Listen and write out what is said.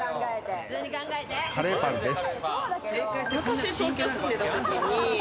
カレーパンです。